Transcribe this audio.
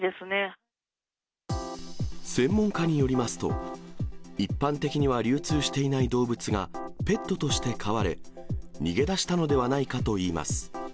専門家によりますと、一般的には流通していない動物が、ペットとして飼われ、逃げ出したのではないかといいます。